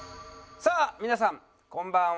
さあ皆さんこんばんは。